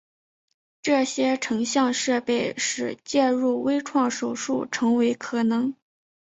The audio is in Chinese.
这些成像设备使介入微创手术成为可能。